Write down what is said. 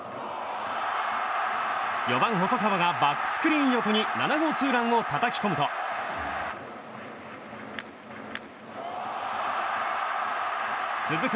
４番、細川がバックスクリーン横に７号ツーランをたたき込むと続く